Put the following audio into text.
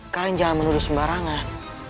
kalian jangan menuduh sembarangan